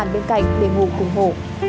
đến cạnh để ngủ cùng hổ